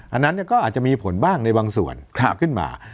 อันนั้นก็อาจจะมีผลบ้างในบางส่วนขึ้นมา